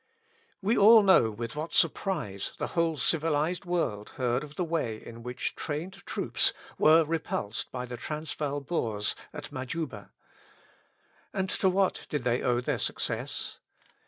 We all know with what surprise the whole civilized world heard of the way in which trained troops were repulsed by the Transvaal Boers at Majuba. And to what did they owe their success